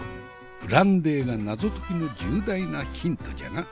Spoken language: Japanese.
ブランデーが謎解きの重大なヒントじゃな。